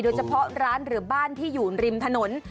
โดยเฉพาะร้านหรือบ้านที่อยู่ริมถนน